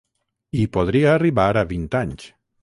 I podria arribar a vint anys.